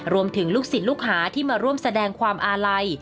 ลูกศิษย์ลูกหาที่มาร่วมแสดงความอาลัย